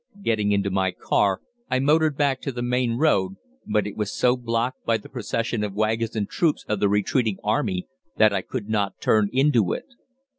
Getting into my car I motored back to the main road, but it was so blocked by the procession of waggons and troops of the retreating army that I could not turn into it.